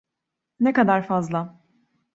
Ne kadar fazla?